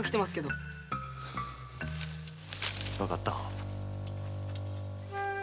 わかった。